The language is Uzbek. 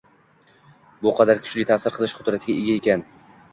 Bu qadar kuchli ta’sir qilish qudratiga ega ekan?